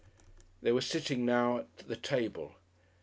They were sitting now at the table.